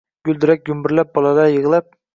Guldirak gumburlab, bolalar yig’lab